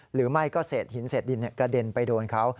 หรือไม่ก็เศษหินเศษดินกระเด็นไปโดนเขา